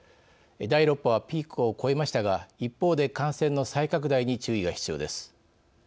第６波はピークを超えましたが一方で、感染の再拡大に注意が必要です。